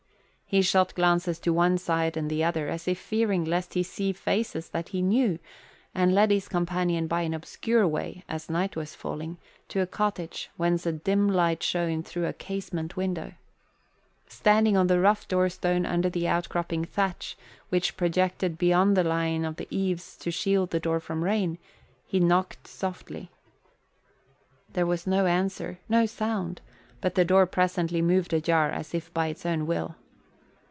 He shot glances to one side and the other as if fearing lest he see faces that he knew, and led his companion by an obscure way, as night was falling, to a cottage whence a dim light shone through a casement window. Standing on the rough doorstone under the outcropping thatch, which projected beyond the line of the eaves to shield the door from rain, he softly knocked. There was no answer, no sound, but the door presently moved ajar as if by its own will.